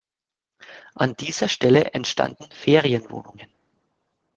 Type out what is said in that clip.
An dieser Stelle entstanden Ferienwohnungen.